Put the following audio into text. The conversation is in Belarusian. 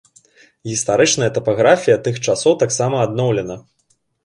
Гістарычная тапаграфія тых часоў таксама адноўлена.